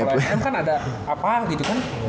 nah kalo sm kan ada apaan gitu kan